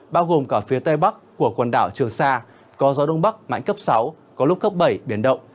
bao gồm cả phía tây bắc của quần đảo trường sa có gió đông bắc mạnh cấp sáu có lúc cấp bảy biển động